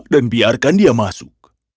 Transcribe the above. dan biarkan dia masuk